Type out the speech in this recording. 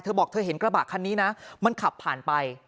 บอกเธอเห็นกระบะคันนี้นะมันขับผ่านไป